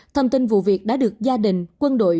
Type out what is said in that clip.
thông tin vụ việc đã được gia đình quân đội